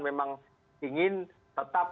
memang ingin tetap